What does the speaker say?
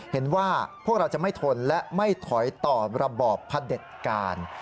เห็นว่าพวกเราจะไม่ทนและไม่ถอยต่อระบอบพระเด็จการ